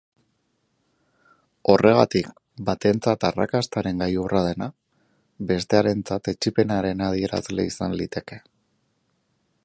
Horregatik batentzat arrakastaren gailurra dena, bestearentzat etsipenaren adierazle izan liteke.